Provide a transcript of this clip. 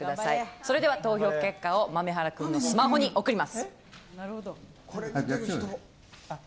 それでは投票結果を豆原君のスマホに送ります。